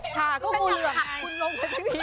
ใช่ก็งูเหลือม